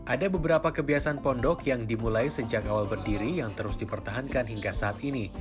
ada beberapa kebiasaan pondok yang dimulai sejak awal berdiri yang terus dipertahankan hingga saat ini